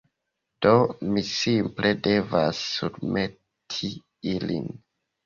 Do, mi simple devas surmeti ilin